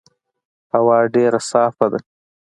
هوا ډېر صافه ده.